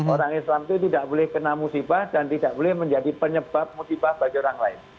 orang islam itu tidak boleh kena musibah dan tidak boleh menjadi penyebab musibah bagi orang lain